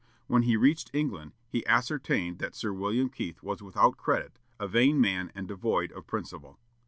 When he reached England, he ascertained that Sir William Keith was without credit, a vain man and devoid of principle.